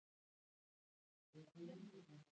کوچني کاروبارونه د ټولنیز ثبات لامل ګرځي.